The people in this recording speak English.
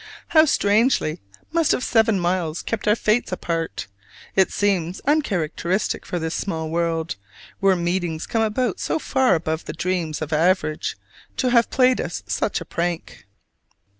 How strangely much have seven miles kept our fates apart! It seems uncharacteristic for this small world, where meetings come about so far above the dreams of average to have played us such a prank.